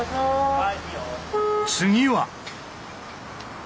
次は！